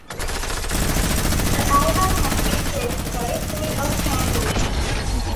The album has been praised by "Sea of Tranquility".